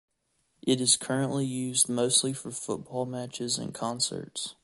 It is currently used mostly for football matches and concerts.